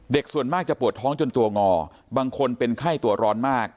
ส่วนมากจะปวดท้องจนตัวงอบางคนเป็นไข้ตัวร้อนมาก